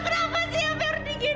kenapa sih yang peor diginiin